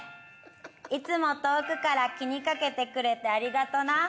いつも遠くから気にかけてくれてありがとな。